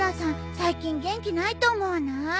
最近元気ないと思わない？